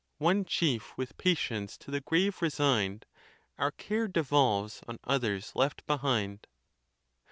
One chief with patience to the grave resign'd, Our care devolves on others left behind.